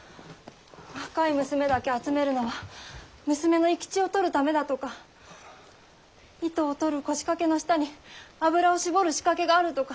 若い娘だけ集めるのは娘の生き血を取るためだとか糸を取る腰掛けの下に油を搾る仕掛けがあるとか。